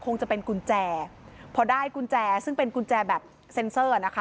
คงจะเป็นกุญแจพอได้กุญแจซึ่งเป็นกุญแจแบบเซ็นเซอร์นะคะ